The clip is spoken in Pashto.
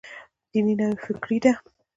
دیني نوفکري دی.